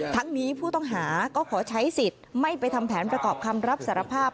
ทั้งนี้ผู้ต้องหาก็ขอใช้สิทธิ์ไม่ไปทำแผนประกอบคำรับสารภาพ